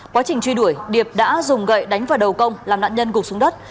quá trình truy đuổi điệp đã dùng gậy đánh vào đầu công làm nạn nhân gục xuống đất